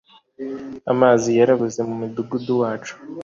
amazi yarabuze mu mudugudu wacu